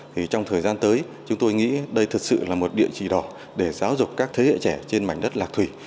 thì trong thời gian tới chúng tôi nghĩ đây thật sự là một địa chỉ đỏ để giáo dục các thế hệ trẻ trên mảnh đất lạ thủy